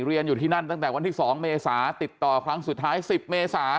เรียนอยู่ที่นั่นตั้งแต่วันที่๒เมษาติดต่อครั้งสุดท้าย๑๐เมษา